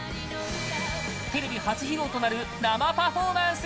テレビ初披露となる生パフォーマンス！